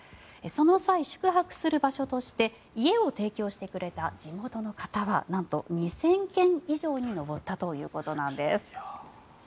その際、宿泊する場所として家を提供してくれた地元の方はなんと２０００軒以上に上ったということです。